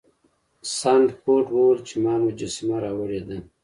سنډفورډ وویل چې ما مجسمه راوړې ده.